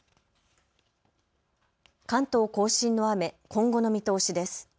関東甲信の雨今後の見通しです。